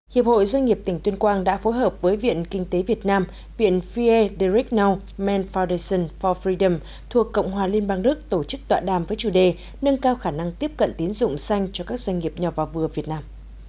hiệp hội doanh nghiệp tỉnh tuyên quang đã phối hợp với viện kinh tế việt nam viện firect now mand foundation for fridam thuộc cộng hòa liên bang đức tổ chức tọa đàm với chủ đề nâng cao khả năng tiếp cận tín dụng xanh cho các doanh nghiệp nhỏ và vừa việt nam